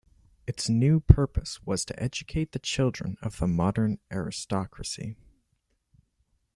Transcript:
Its new purpose was to educate the children of the modern aristocracy.